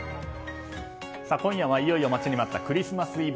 今夜はいよいよ待ちに待ったクリスマスイブ。